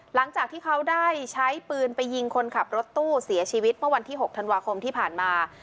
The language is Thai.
หลังจากที่เขาได้ใช้ปืนไปยิงคนขับรถตู้เสียชีวิตเมื่อวันที่๖ธันวาคมที่ผ่านมา